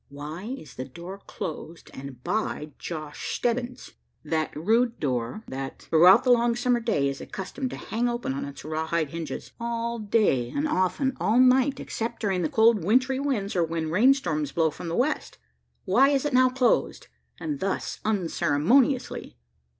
Why is the door closed, and by Josh Stebbins? that rude door, that, throughout the long summer day, is accustomed to hang open on its raw hide hinges? All day, and often all night except during the cold wintry winds, or when rain storms blow from the west? Why is it now closed, and thus unceremoniously?